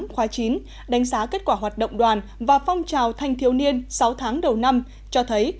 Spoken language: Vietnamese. khóa chín đánh giá kết quả hoạt động đoàn và phong trào thanh thiếu niên sáu tháng đầu năm cho thấy